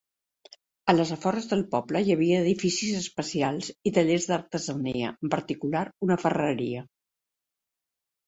A les afores del poble hi havia edificis especials i tallers d'artesania, en particular, una ferreria.